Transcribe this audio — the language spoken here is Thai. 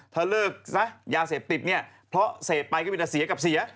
ถ้าเลิกซะยาเสพติดเนี่ยเพราะเสพไปก็มีแต่เสียกับเสีย